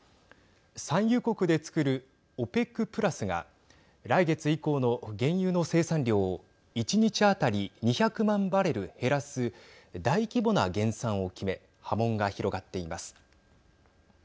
産油国でつくるＯＰＥＣプラスが来月以降の原油の生産量を１日当たり２００万バレル減らす大規模な減産を決め波紋が広がっています。